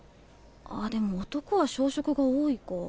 ああでも男は小食が多いか。